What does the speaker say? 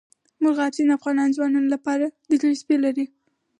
مورغاب سیند د افغان ځوانانو لپاره دلچسپي لري.